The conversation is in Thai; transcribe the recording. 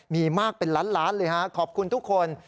มีมากเป็นล้านเลยครับขอบคุณทุกคน